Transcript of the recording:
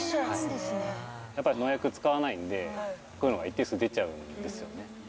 やっぱり農薬使わないんで、こういうのが一定数、出ちゃうんですよね。